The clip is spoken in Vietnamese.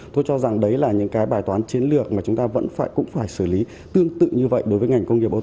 tôi cho rằng đấy là những cái bài toán chiến lược mà chúng ta vẫn phải xử lý tương tự như vậy đối với ngành công nghiệp ô tô